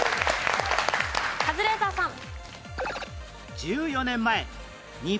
カズレーザーさん。